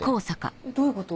えっどういうこと？